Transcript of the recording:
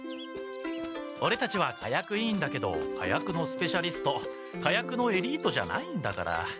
オレたちは火薬委員だけど火薬のスペシャリスト火薬のエリートじゃないんだから。